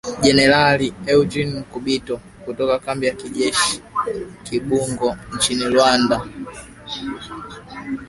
Kanali Joseph Rurindo na Generali Eugene Nkubito, kutoka kambi ya kijeshi ya Kibungo nchini Rwanda.